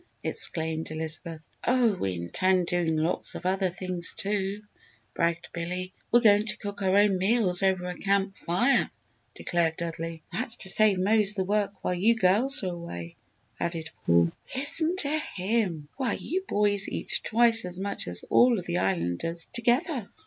exclaimed Elizabeth. "Oh we intend doing lots of other things, too," bragged Billy. "We're going to cook our own meals over a camp fire!" declared Dudley. "That's to save Mose the work while you girls are away!" added Paul. "Listen to him! Why, you boys eat twice as much as all of the Islanders together!"